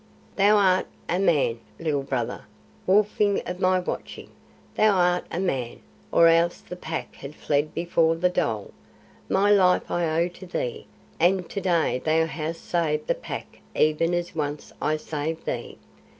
"Thou art a man, Little Brother, wolfling of my watching. Thou art a man, or else the Pack had fled before the dhole. My life I owe to thee, and to day thou hast saved the Pack even as once I saved thee.